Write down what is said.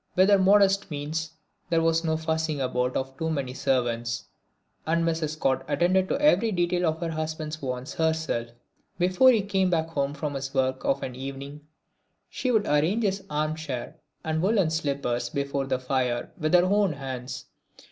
With their modest means there was no fussing about of too many servants, and Mrs. Scott attended to every detail of her husband's wants herself. Before he came back home from his work of an evening, she would arrange his arm chair and woollen slippers before the fire with her own hands.